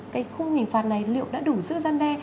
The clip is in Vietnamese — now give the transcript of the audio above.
cái khung hình phạt này liệu đã đủ sức gian đe